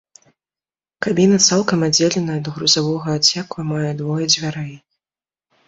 Кабіна цалкам аддзеленая ад грузавога адсеку і мае двое дзвярэй.